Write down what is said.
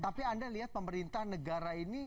tapi anda lihat pemerintah negara ini